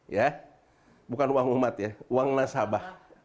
ya bukan uang umat ya uang nasabah